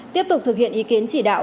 tiếp tục thực hiện ý kiến chỉ đạo